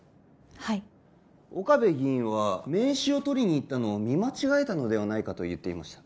はい岡部議員は名刺を取りに行ったのを見間違えたのではないかと言っていました